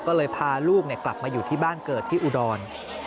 ก็เลยพาลูกกลับมาอยู่ที่บ้านเกิดที่อุดร